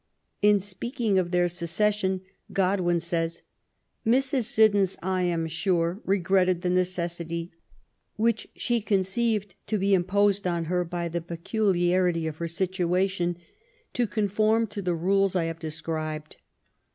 In speaking of their secession, Godwin says :" Mrs. Siddons, I am sure, regretted the neces sity which she conceived to be imposed on her by the peculiarity of her situation, to conform to the rules I have described.